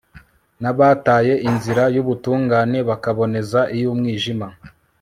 n'abataye inzira y'ubutungane bakaboneza iy'umwijima